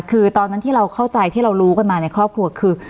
คือตอนนั้นที่เราเข้าใจที่เรารู้กันมาในครอบครัวคือ